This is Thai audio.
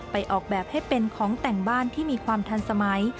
ออกแบบให้เป็นของแต่งบ้านที่มีความทันสมัย